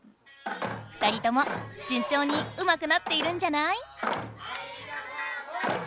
２人ともじゅんちょうにうまくなっているんじゃない？